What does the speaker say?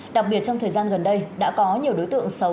đặc biệt trong thời gian gần đây đã có nhiều đối tượng xấu